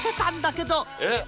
えっ？